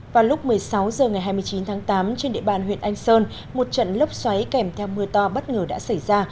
vào lúc một mươi sáu h ngày hai mươi chín tháng tám trên địa bàn huyện anh sơn một trận lốc xoáy kèm theo mưa to bất ngờ đã xảy ra